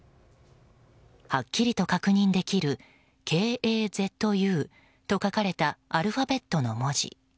はっきりと確認できる「Ｋ、Ａ、Ｚ、Ｕ」と書かれたアルファベットの文字。